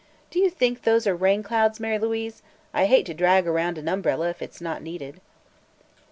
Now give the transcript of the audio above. "Do you think those are rain clouds, Mary Louise? I hate to drag around an umbrella if it's not needed."